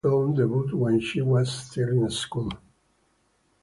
She made her film debut when she was still in school.